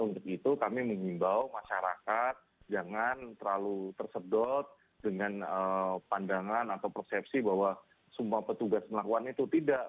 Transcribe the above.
untuk itu kami mengimbau masyarakat jangan terlalu tersedot dengan pandangan atau persepsi bahwa semua petugas melakukan itu tidak